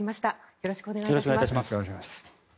よろしくお願いします。